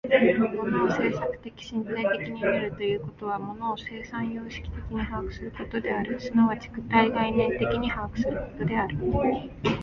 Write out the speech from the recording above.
物を制作的身体的に見るということは、物を生産様式的に把握することである、即ち具体概念的に把握することである。